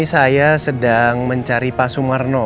saya sedang mencari pak sumarno